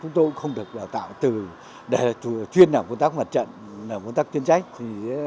chúng tôi không được tạo từ chuyên làm công tác mặt trận làm công tác chuyên trách